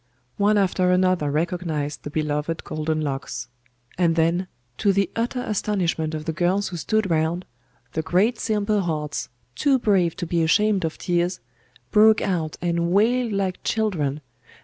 One after another recognised the beloved golden locks. And then, to the utter astonishment of the girls who stood round, the great simple hearts, too brave to be ashamed of tears, broke out and wailed like children